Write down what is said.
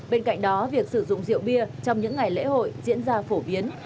bên cạnh đó việc sử dụng rượu bia trong những ngày lễ hội diễn ra phổ biến